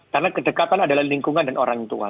karena kedekatan adalah lingkungan dan orang tua